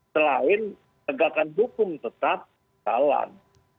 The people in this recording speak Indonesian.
selain tegakan hukum tetap jalan